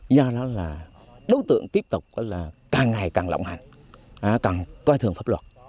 do đó là đối tượng tiếp tục càng ngày càng lộng hành càng coi thường pháp luật